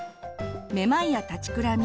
めまいや立ちくらみ。